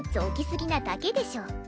置き過ぎなだけでしょ。